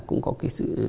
cũng có cái sự